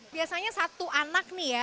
biasanya satu anak nih ya